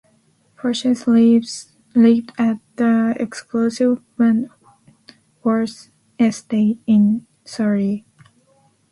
Forsyth lived at the exclusive Wentworth Estate in Surrey.